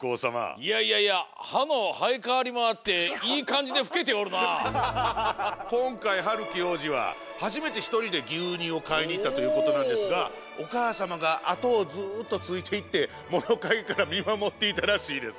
いやいやいやはのはえかわりもあってこんかいはるきおうじははじめてひとりでぎゅうにゅうをかいにいったということなんですがおかあさまがあとをずっとついていってものかげからみまもっていたらしいです。